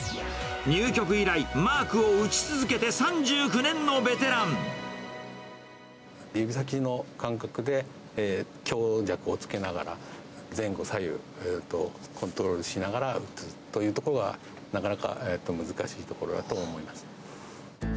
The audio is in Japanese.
入局以来、マークを打ち続けて指先の感覚で強弱をつけながら、前後左右、コントロールしながら打つというところが、なかなか難しいところだと思います。